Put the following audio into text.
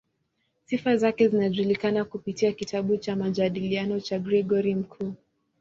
Sifa zake zinajulikana kupitia kitabu cha "Majadiliano" cha Gregori Mkuu.